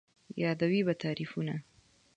یادوې به تعريفونه